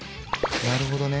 なるほどね。